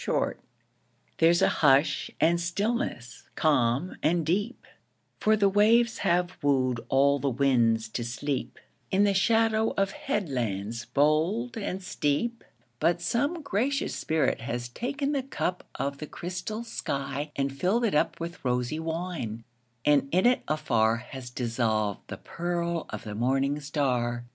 8 Autoplay There's a hush and stillness calm and deep, For the waves have wooed all the winds to sleep In the shadow of headlands bold and steep; But some gracious spirit has taken the cup Of the crystal sky and filled it up With rosy wine, and in it afar Has dissolved the pearl of the morning star.